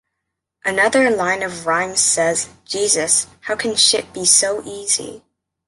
Another line of rhymes says "Jesus, how can shit be so easy”?